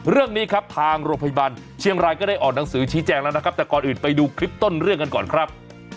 เรื่องนี้ครับทางโรงพยาบาลเชียงรายก็ได้ออกหนังสือชี้แจงแล้วนะครับแต่ก่อนอื่นไปดูคลิปต้นเรื่องกันก่อนครับ